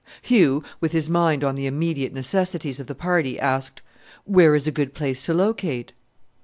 Hugh, with his mind on the immediate necessities of the party, asked, "Where is a good place to locate?"